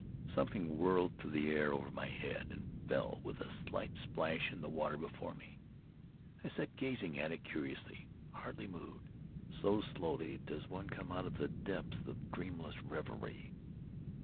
Something whirled through the air over my head and fell with a light splash in the water before me. I sat gazing at it without curiosity, hardly moved, so slowly does one come out of the depths of dreamless reverie.